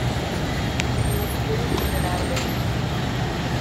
He was killed in an ambush.